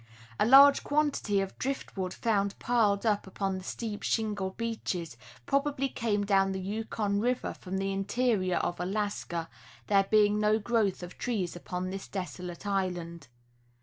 A large quantity of drift wood found piled up upon the steep shingle beaches probably came down the Yukon river from the interior of Alaska, there being no growth of trees upon this desolate land.